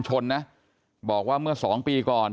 ใช่ค่ะถ่ายรูปส่งให้พี่ดูไหม